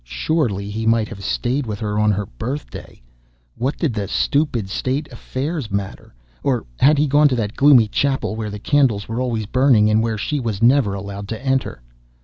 Surely he might have stayed with her on her birthday. What did the stupid State affairs matter? Or had he gone to that gloomy chapel, where the candles were always burning, and where she was never allowed to enter?